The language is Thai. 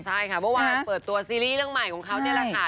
ใช่ค่ะเมื่อวานเปิดตัวซีรีส์เรื่องใหม่ของเขานี่แหละค่ะ